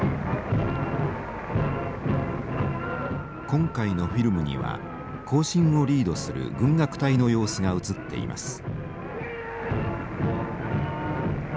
今回のフィルムには行進をリードする軍楽隊の様子が写っています。